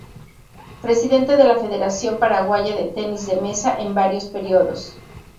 Presidente de la Federación Paraguaya de tenis de mesa en varios periodos.